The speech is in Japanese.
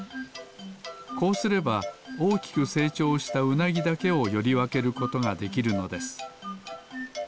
こうすればおおきくせいちょうしたウナギだけをよりわけることができるのです。